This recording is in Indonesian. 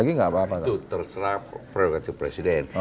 itu terserah prerogatif presiden